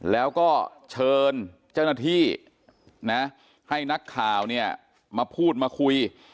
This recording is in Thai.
แล้วก็เชิญเจ้าหน้าที่นะให้นักข่าวเนี่ยมาพูดมาคุย